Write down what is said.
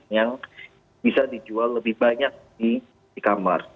yang bisa dijual lebih banyak di e commerce